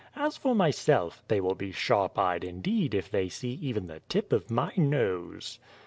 As for myself, they will be sharp eyed indeed if they see even the tip of my nose."